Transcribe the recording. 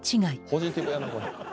ポジティブやな。